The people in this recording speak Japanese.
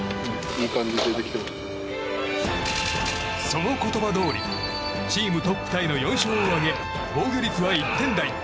その言葉どおりチームトップタイの４勝を挙げ防御率は１点台。